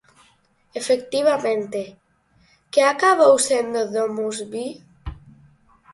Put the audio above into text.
Efectivamente, ¿que acabou sendo DomusVi?